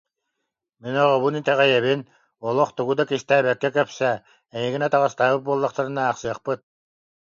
«Мин оҕобун итэҕэйэбин, олох тугу да кистээбэккэ кэпсээ, эйигин атаҕастаабыт буоллахтарына аахсыахпыт»